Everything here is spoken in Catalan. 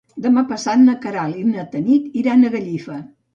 Demà passat na Queralt i na Tanit iran a Gallifa.